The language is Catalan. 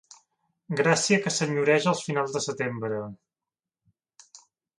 Gràcia que senyoreja els finals de setembre.